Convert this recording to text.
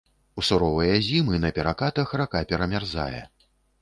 У суровыя зімы на перакатах рака перамярзае.